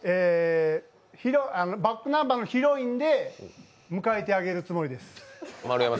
ｂａｃｋｎｕｍｂｅｒの「ヒロイン」で迎えてあげるつもりです。